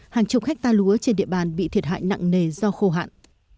hàng chục hectare lúa trên địa bàn bị thiệt hại nặng nề do khô hạn